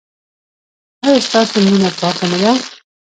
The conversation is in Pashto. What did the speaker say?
ایا ستاسو مینه پاکه نه ده؟